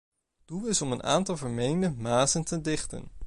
Doel is om een aantal vermeende mazen te dichten.